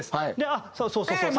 あっそうそうそうそう。